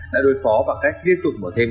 đã đối phó bằng cách liên tục mở thêm